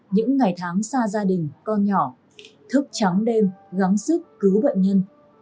những ngày tháng xa gia đình con nhỏ thức trắng đêm gắn sức cứu bệnh nhân